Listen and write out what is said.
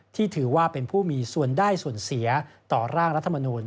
ถือว่าเป็นผู้มีส่วนได้ส่วนเสียต่อร่างรัฐมนูล